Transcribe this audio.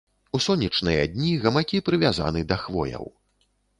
У сонечныя дні гамакі прывязаны да хвояў.